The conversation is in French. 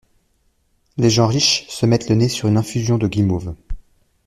Les gens riches se mettent le nez sur une infusion de guimauve…